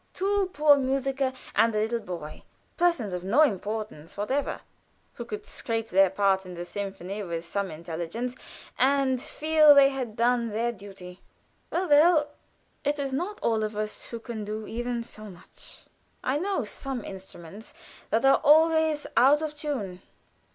Two poor musiker and a little boy; persons of no importance whatever, who could scrape their part in the symphony with some intelligence and feel they had done their duty. Well, well! it is not all of us who can do even so much. I know some instruments that are always out of tune.